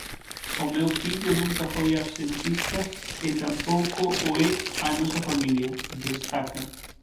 "O meu fillo nunca foi absentista e tampouco o é a nosa familia", destaca.